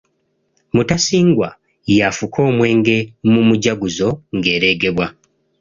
Mutasingwa y'afuka omwenge mu mujaguzo ng’eregebwa.